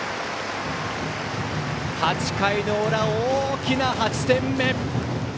８回の裏、大きな８点目！